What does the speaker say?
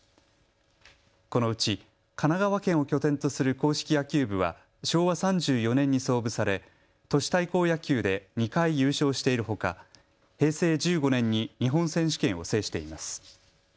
このうち神奈川県を拠点とする硬式野球部は昭和３４年に創部され、都市対抗野球で２回優勝しているほか平成１５年に日本選手権を制しています。